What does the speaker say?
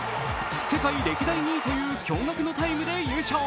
世界歴代２位という驚がくのタイムで優勝。